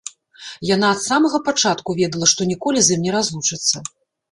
Яна ад самага пачатку ведала, што ніколі з ім не разлучыцца.